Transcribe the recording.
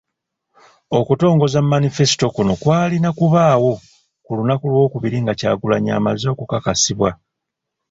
Okutongoza Manifesito kuno kw'alina kubaawo ku lunaku Lwokubiri nga Kyagulanyi amaze okukakasibwa.